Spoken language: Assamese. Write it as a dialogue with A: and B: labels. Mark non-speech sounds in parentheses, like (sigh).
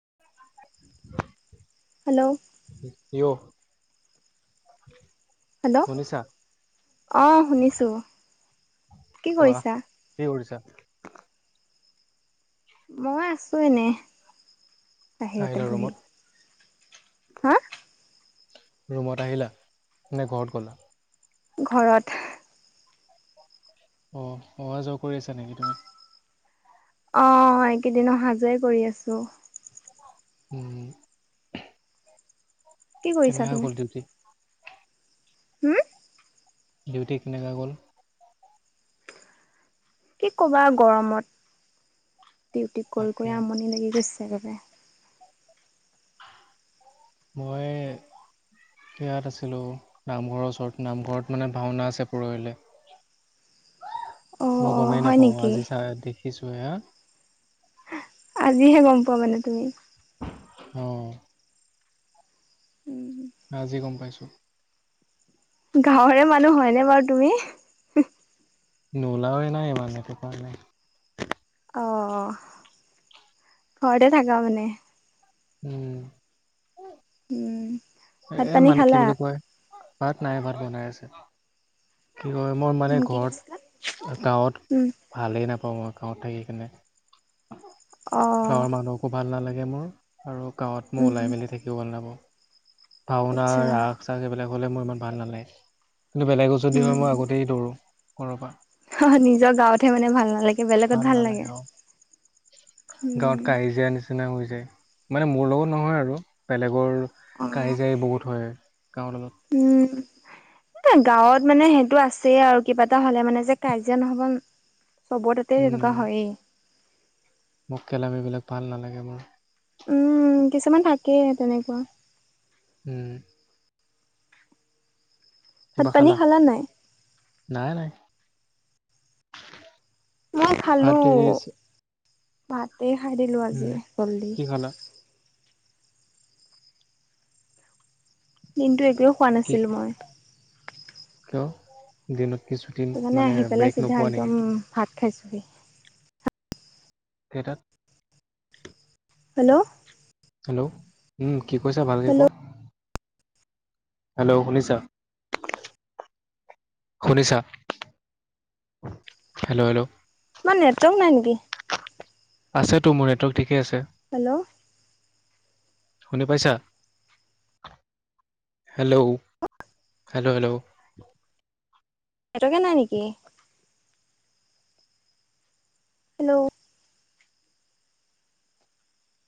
A: (unintelligible)
B: হেল্ল'
A: (unintelligible)
B: হেল্ল'
A: শুনিছা
B: অ শুনিছোঁ কি
A: কোৱা
B: কৰিছা?
A: কি কৰিছা
B: মই আছো এনেই
A: আহিলা
B: বাহিৰতে বহি।
A: ৰুমত
B: হা
A: ৰূমত আহিলা নে ঘৰত গলা?
B: ঘৰত।
A: অ অহ যোৱা কৰি আছা নেকি তুমি?
B: আহ এইকেইদিন অহ যোৱাই কৰি আছো।
A: উম।
B: কি কৰিছা
A: কেনেকা গল দিউটি?
B: হম?
A: ডিউটি কেনেকা গ'ল?
B: কি কবা গৰমত, ডিউটি কৰি
A: তাকে
B: কৰি আমনি লাগি গৈছে। তেবৰে (unintelligible)
A: মই ইয়াত আছিলো, নামঘৰৰ ওচৰত, নামঘৰত মানে ভাওনা আছে পৰহিলে।
B: অ
A: মই
B: অ
A: গমেই
B: হয়
A: নাপাওঁ
B: নেকি
A: আজি চাই দেখিছো এয়া।
B: আজিহে গম পোৱা মানে তুমি।
A: অ' আজি গম পাইছো।
B: গাঁৱৰে মানুহ হয়নে বাৰু তুমি?
A: নোলাওৱে নাই ইমান এইটো কাৰণে।
B: অ অহ' ঘৰতে থাকা মানে।
A: উম'
B: উম ভাত
A: এ
B: পানী
A: মানে কি
B: খালা
A: বুলি কয়, ভাত নাই ভাত বনাই আছে। কি কয় মই মানে
B: উম কি কৈছিলা
A: ঘৰত গাঁৱত
B: উম
A: ভালেই নাপা অ মই গাঁৱত থাকি কিনে
B: অ
A: গাঁৱৰ মানুহকো ভাল নালাগে মোৰ আৰু গাঁৱত মই
B: উম
A: ওলাই মেলি থাকিব ভাল নাপাওঁ। ভাওনা
B: আচ্ছা
A: ৰাস চাস এইবিলাক হ'লে মোৰ ইমান ভাল নালাগে। কিন্তু বেলেগ ও যদি হয় মই আগতেই দৌৰো ঘৰৰ পৰা।
B: অহ নিজৰ গাঁৱতহে মানে ভাল নালাগে বেলেগত ভাল লাগে।
A: নালাগে অ গাঁৱত
B: উম।
A: কাইজিয়া নিচিনা হৈ যায় মানে, মোৰ লগত নহয় আৰু বেলেগৰ
B: অ
A: কাইজাই বহুত হয় গাঁৱৰ লগত।
B: উম এ গাঁৱত মানে সেইটো আছেই আৰু কিবা এটা হ'লে মানে যে কাজিয়া নহ'ব। চব তাতে তেনেকুৱা হয়েই।
A: মককেলামী বিলাক ভাল নালাগে মোৰ।
B: উম কিছুমান থাকেই তেনেকুৱা
A: উম।
B: ভাত পানী খালা নাই।
A: নাই নাই।
B: মই
A: ভাত
B: খালো
A: দেৰি আছে
B: ভাত। এই খাই দিলোঁ আজি
A: উম
B: জলদি।
A: কি খালা
B: দিনটো একোৱে খোৱা
A: কি
B: নাছিলো মই।
A: কিয় দিন
B: সেইকাৰণে আহি পেলাই চিধা একদম ভাত খাইছোহি।
A: কেইটাত
B: হেল্ল'।
A: হেল্ল' উম কি কৈছা ভালকে কোৱা।
B: হেল্ল'
A: হেল্ল' শুনিছা। শুনিছা হেল্ল' হেল্ল'।
B: তোমাৰ নেটৱৰ্ক নাই নেকি।
A: আছেতো মোৰ নেটৱৰ্ক ঠিকেই আছে।
B: হেল্ল'
A: শুনি পাইছা হেল্ল' হেল্ল' হেল্ল'
B: এটকা নাই নিকি হেল্ল'